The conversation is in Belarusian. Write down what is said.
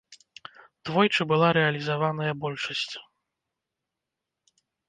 Двойчы была рэалізаваная большасць.